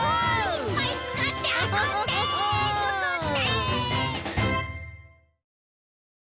いっぱいつかってあそんでつくって！